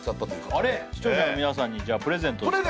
あれ視聴者の皆さんにプレゼントですか。